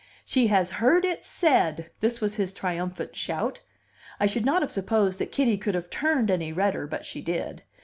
"She has heard it said!" This was his triumphant shout. I should not have supposed that Kitty could have turned any redder, but she did.